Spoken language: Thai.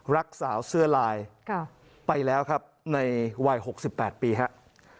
รักษาเสื้อลายไปแล้วครับในวัย๖๘ปีครับ